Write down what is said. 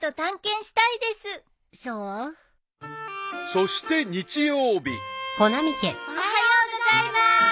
［そして日曜日］おはようございます。